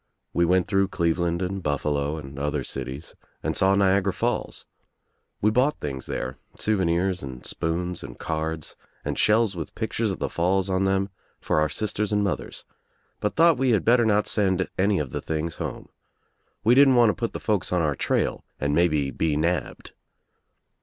We went through Cleveland and BufFalo and other cities and saw Niagara Falls. We bought things there, souvenirs and spoons and cards and shells with pictures of the falls on them for our sisters and mothers, but thought we had better not send any of the things home. We didn't want to put the folks on our trail and maybe be nabbed.